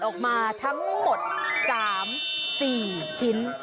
ออกมาทั้งหมด๓๔ชิ้น